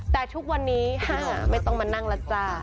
แต่ทุกวันนี้๕ไม่ต้องมานั่งแล้วจ้า